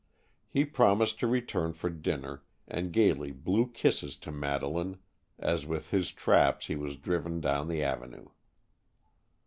He promised to return for dinner, and gaily blew kisses to Madeleine as with his traps he was driven down the avenue.